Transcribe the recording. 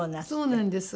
そうなんです。